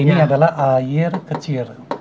ini adalah air kecil